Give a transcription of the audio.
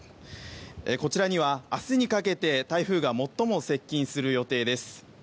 こちらには明日にかけて台風が最も接近する予定です。